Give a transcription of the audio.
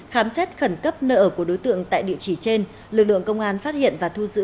khám xét khẩn cấp nơi ở của đối tượng tại địa chỉ trên lực lượng công an phát hiện và thu giữ